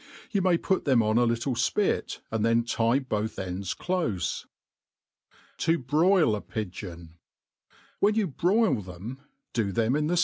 You may put them ^n a little Ifpit, and . then tie both end§ (cloje. To hn}l^ BJ^m^ ^iyHEN you broil them, do them in the